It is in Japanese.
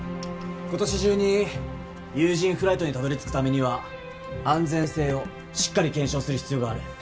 今年中に有人フライトにたどりつくためには安全性をしっかり検証する必要がある。